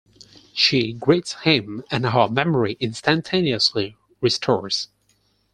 She greets him and her memory instantaneously restores.